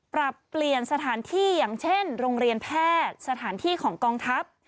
ปรับเปลี่ยนสถานที่อย่างเช่นโรงเรียนแพทย์สถานที่ของกองทัพ